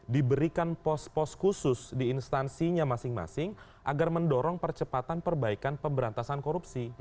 diberikan pos pos khusus di instansinya masing masing agar mendorong percepatan perbaikan pemberantasan korupsi